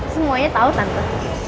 semuanya tahu tante